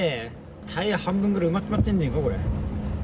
タイヤ半分ぐらい埋まっちまってんじゃないか、これ。